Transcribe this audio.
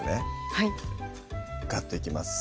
はいガッといきます